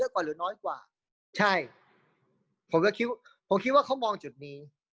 กว่าหรือน้อยกว่าใช่ผมก็คิดผมคิดว่าเขามองจุดนี้